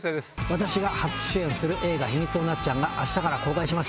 私が初主演する映画『ひみつのなっちゃん。』が明日から公開します。